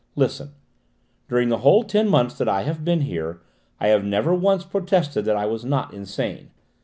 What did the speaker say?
"Listen: during the whole ten months that I have been here, I have never once protested that I was not insane.